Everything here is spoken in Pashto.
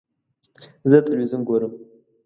زه تلویزیون ګورم